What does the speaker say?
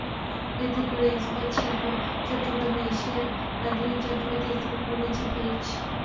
এতে করে ইস্পাত শিল্প খাতে চট্টগ্রামে এশিয়ায় আধুনিক যন্ত্রপাতি স্থাপন করবে জিপিএইচ।